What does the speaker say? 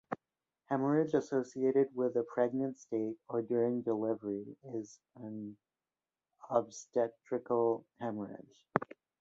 Hemorrhage associated with a pregnant state or during delivery is an obstetrical hemorrhage.